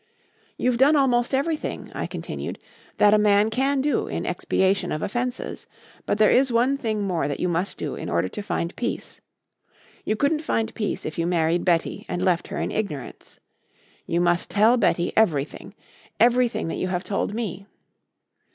"You've done almost everything," I continued, "that a man can do in expiation of offences. But there is one thing more that you must do in order to find peace. You couldn't find peace if you married Betty and left her in ignorance. You must tell Betty everything everything that you have told me.